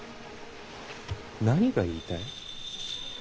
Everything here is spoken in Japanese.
何が言いたい。